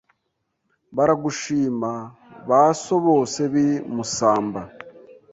Baragushima ba so bose b'i Musamba